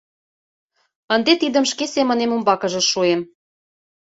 Ынде тидым шке семынем умбакыже шуем.